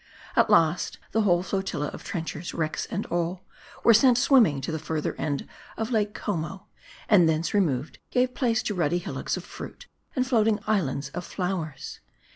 At last, the whole flotilla of trenchers wrecks and all were sent swimming to the further end of Lake Como ; and thence removed, gave place to ruddy hillocks of fruit, and floating islands of flowers.